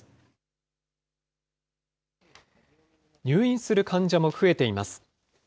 入院する患者も増えています。